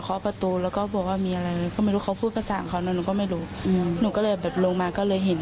ก็เห็นเขานอนแค่นั้น